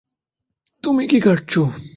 তুমি কি কাটছ?